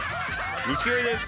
錦鯉です。